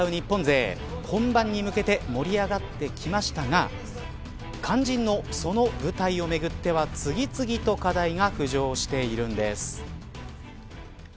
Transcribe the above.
本番に向けて盛り上がってきましたが肝心の、その舞台をめぐっては次々と課題が浮上しているんです。